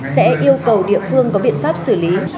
sẽ yêu cầu địa phương có biện pháp xử lý